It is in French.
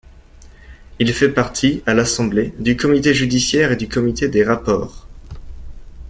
Il fait partie, à l'assemblée, du comité judiciaire et du comité des rapports.